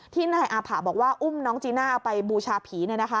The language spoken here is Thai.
ที่นายอาผะบอกว่าอุ้มน้องจีน่าเอาไปบูชาผี